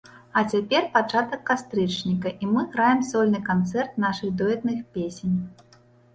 А цяпер пачатак кастрычніка, і мы граем сольны канцэрт нашых дуэтных песень.